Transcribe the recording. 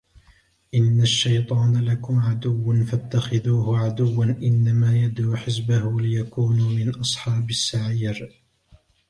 إِنَّ الشَّيْطَانَ لَكُمْ عَدُوٌّ فَاتَّخِذُوهُ عَدُوًّا إِنَّمَا يَدْعُو حِزْبَهُ لِيَكُونُوا مِنْ أَصْحَابِ السَّعِيرِ